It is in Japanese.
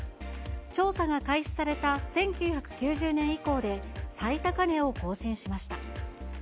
調査が開始された１９９０年以降で最高値を更新しました。